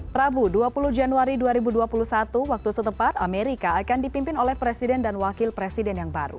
prabu dua puluh januari dua ribu dua puluh satu waktu setepat amerika akan dipimpin oleh presiden dan wakil presiden yang baru